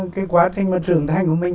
cái quá trình mà trưởng thành của mình